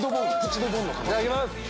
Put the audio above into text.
いただきます。